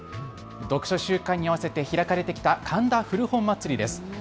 読書週間に合わせて開かれてきた神田古本まつりです。